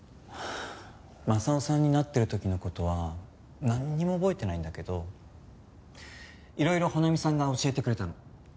マサオさんになってる時の事はなんにも覚えてないんだけどいろいろ帆奈美さんが教えてくれたの。